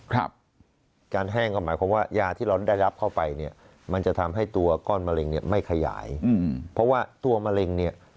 การแห้งก็หมายความว่ายาที่เราได้รับเข้าไป